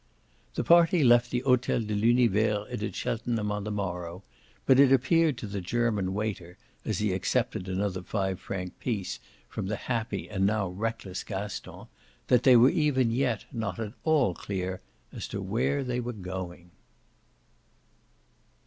The party left the Hotel de l'Univers et de Cheltenham on the morrow, but it appeared to the German waiter, as he accepted another five franc piece from the happy and now reckless Gaston, that they were even yet not at all clear as to where they were going.